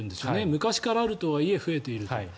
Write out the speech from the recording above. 昔からあるとはいえ増えていると。